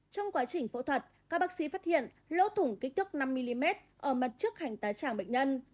trong quá trình phẫu thuật các bác sĩ phát hiện lô thủng kích thước năm mm ở mặt trước hành tá tràng bệnh nhân